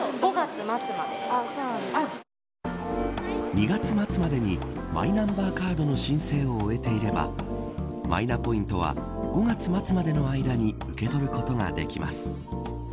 ２月末までにマイナンバーカードの申請を終えていればマイナポイントは５月末までの間に受け取ることができます。